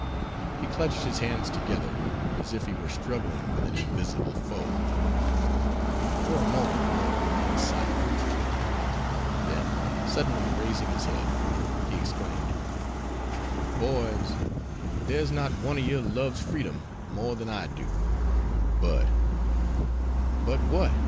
He clutched his hands together, as if he were struggling with an invisible foe, and for a moment he remained silent. Then suddenly raising his head, he exclaimed, "Boys, there's not one of you loves freedom more than I do, but " "But what?"